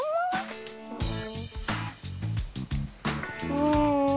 うん。